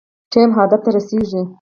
ټیم هدف ته رسیږي